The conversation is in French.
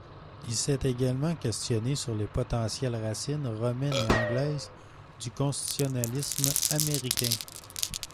Il s'est également questionné sur les potentielles racines romaines et anglaise du constitutionnalisme américain.